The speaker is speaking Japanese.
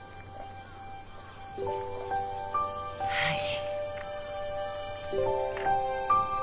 はい。